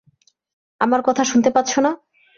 আমার কথা শুনতে পাচ্ছো না?